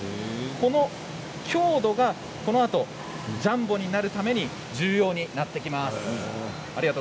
この強度が、このあとジャンボになるために重要になってきます。